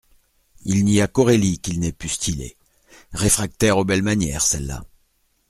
Il n'y a qu'Aurélie qu'il n'ait pu styler : réfractaire aux belles manières, celle-là !